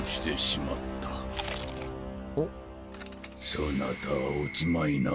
そなたは落ちまいな？